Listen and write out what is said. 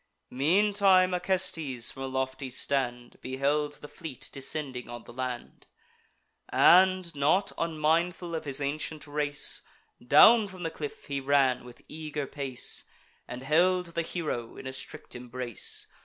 Meantime Acestes, from a lofty stand, Beheld the fleet descending on the land; And, not unmindful of his ancient race, Down from the cliff he ran with eager pace, And held the hero in a strict embrace.